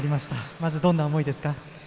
まず、どんな思いですか？